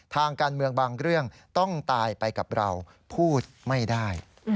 ทางการเมืองบางเรื่องต้องตายไปกับเราพูดไม่ได้